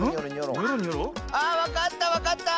あわかったわかった！